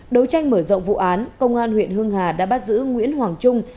đấu tranh mở rộng vụ án công an huyện hưng hà đã bắt giữ nguyễn hoàng trung